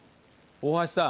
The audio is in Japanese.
大橋さん。